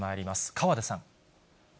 河出さん。